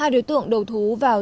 hai đối tượng đầu thú vào